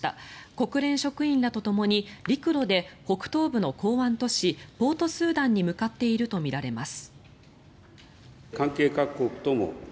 国連職員らとともに陸路で北東部の港湾都市ポート・スーダンに向かっているとみられます。